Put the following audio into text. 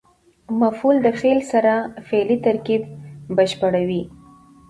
مفعول د فعل سره فعلي ترکیب بشپړوي.